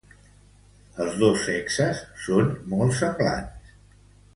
Els dos sexes són molt semblants.